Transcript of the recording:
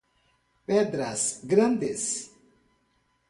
Pedras Grandes